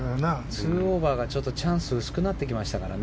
２オーバーが、チャンスが薄くなってきましたからね。